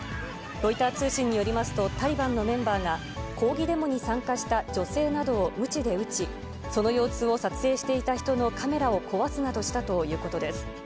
ロイター通信によりますと、タリバンのメンバーが抗議デモに参加した女性などをムチで打ち、その様子を撮影していた人のカメラを壊すなどしたということです。